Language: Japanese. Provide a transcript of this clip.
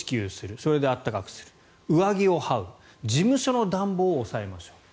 それで温かくする上着を羽織る事務所の暖房を抑えましょう。